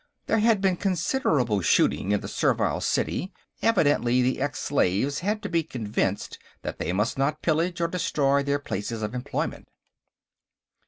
There had been considerable shooting in the Servile City; evidently the ex slaves had to be convinced that they must not pillage or destroy their places of employment.